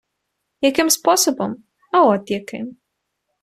- Яким способом? А от яким.